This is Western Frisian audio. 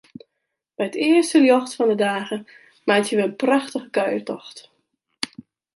By it earste ljocht fan 'e dage meitsje wy in prachtige kuiertocht.